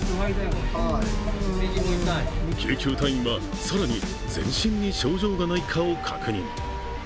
救急隊員は更に全身に症状がないかを確認。